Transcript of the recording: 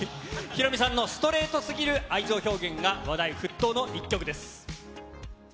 ヒロミさんのストレートすぎる愛情表現が話題沸騰の一曲です。